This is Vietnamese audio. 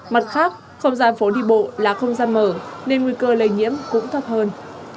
mặt khác không gian phố đi bộ là không gian mở nên nguy cơ lây nhiễm cũng thấp hơn